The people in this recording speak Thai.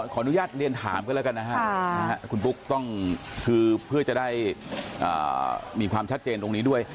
ขออนุญาตเรียนถามกันแล้วกันนะฮะคุณปุ๊กต้องคือเพื่อจะได้มีความชัดเจนตรงนี้ด้วย